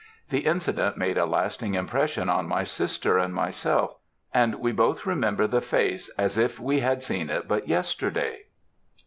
The incident made a lasting impression on my sister and myself, and we both remember the face as if we had seen it but yesterday."